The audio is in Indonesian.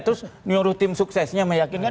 terus nyuruh tim suksesnya meyakinkan